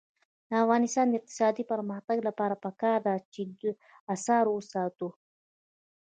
د افغانستان د اقتصادي پرمختګ لپاره پکار ده چې اثار وساتو.